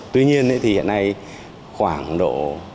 tuy nhiên thì hiện nay khoảng độ